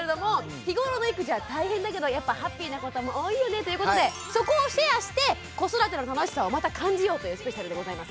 日頃の育児は大変だけどやっぱハッピーなことも多いよねということでそこをシェアして子育ての楽しさをまた感じようというスペシャルでございます。